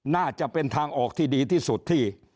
น่าจะเป็นทางออกที่ดีที่สุดที่